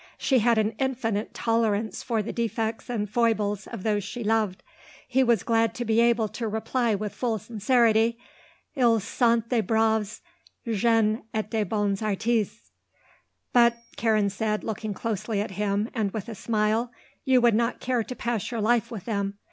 She had an infinite tolerance for the defects and foibles of those she loved. He was glad to be able to reply with full sincerity: "Ils sont de braves gens et de bons artistes." "But," Karen said, looking closely at him, and with a smile, "you would not care to pass your life with them.